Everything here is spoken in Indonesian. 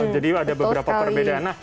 jadi ada beberapa perbedaan